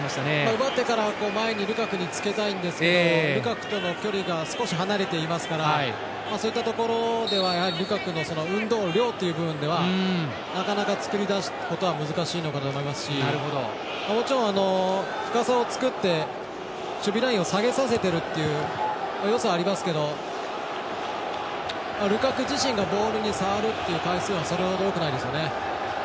奪ってから前にルカクにつけたいんですけどルカクとの距離が少し離れていますからそういったところではルカクの運動量っていう部分ではなかなか作り出すことは難しいと思いますしもちろん深さを作って守備ラインを下げさせているというよさはありますけどルカク自身がボールに触るという回数はそれほど多くないですよね。